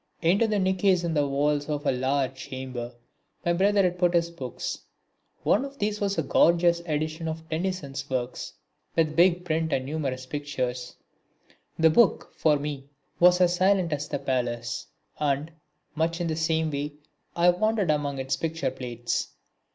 Into the niches in the wall of a large chamber my brother had put his books. One of these was a gorgeous edition of Tennyson's works, with big print and numerous pictures. The book, for me, was as silent as the palace, and, much in the same way I wandered among its picture plates.